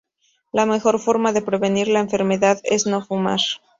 La mejor forma de prevenir la enfermedad es no fumar.